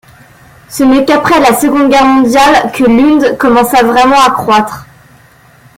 Ce n'est qu'après la Seconde Guerre mondiale que Lund commença vraiment à croître.